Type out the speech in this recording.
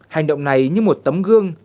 hành động này như một tấm gương